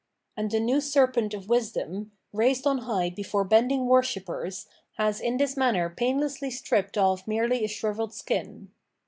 And the new serpent of wisdom, raised on high before bending worshippers, has in this manner painlessly stripped off merely a shrivebed skin.